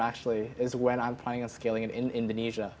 saat ini saya sedang mencoba untuk mencabar di indonesia